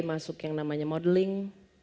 masuk yang namanya modeling